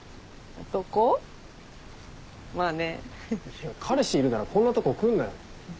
いや彼氏いるならこんなとこ来んなよ。